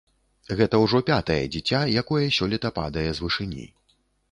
Гэта ўжо пятае дзіця, якое сёлета падае з вышыні.